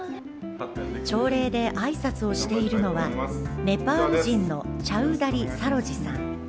朝礼で挨拶をしているのは、ネパール人のチャウダリ・サロジさん。